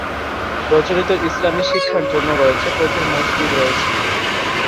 প্রচলিত ইসলামী শিক্ষার জন্যও রয়েছে প্রচুর মসজিদ রয়েছে।